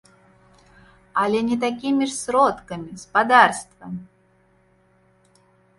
Але не такімі ж сродкамі, спадарства!